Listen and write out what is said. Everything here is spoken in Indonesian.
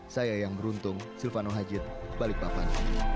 saya yang beruntung silvano hajid balikpapan